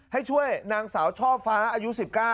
ให้ช่วยนางสาวช่อฟ้าอายุ๑๙